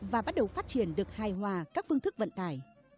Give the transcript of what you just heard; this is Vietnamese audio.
và bắt đầu phát triển được hài hòa các phương thức vận tải